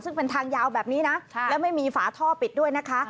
ซึ่งเป็นทางยาวแบบนี้นะแล้วไม่มีฝาท่อปิดด้วยนะคะ